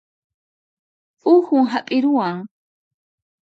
Uhun hap'iruwan